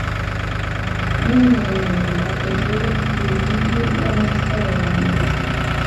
Numwenyuye Nakoze urunigi rw'amaso yanjye